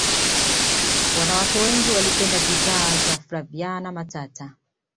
wanawake wengi walipenda bidhaa za flaviana matata